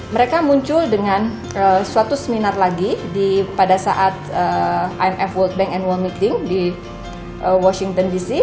mereka muncul dengan suatu seminar lagi pada saat imf world bank annual meeting di washington dc